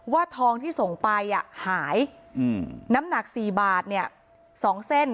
ว่าทองที่ส่งไปหายน้ำหนัก๔บาท๒เส้น